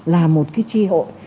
là một chi hội